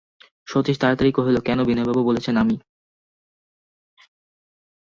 সতীশ তাড়াতাড়ি কহিল, কেন, বিনয়বাবু বলেছেন, আমি।